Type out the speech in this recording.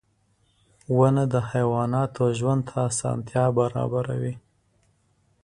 • ونه د حیواناتو ژوند ته اسانتیا برابروي.